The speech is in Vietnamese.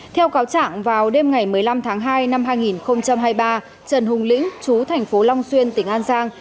theo cáo trạng vào đêm ngày một mươi năm tháng hai năm hai nghìn hai mươi ba trần hùng lĩnh chú thành phố long xuyên tỉnh an giang